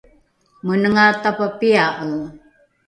menenga tapapia’e